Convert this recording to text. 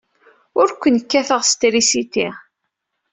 Ur ken-kkateɣ s trisiti.